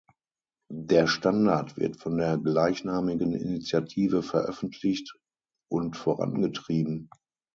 Der Standard wird von der gleichnamigen Initiative veröffentlicht und vorangetrieben.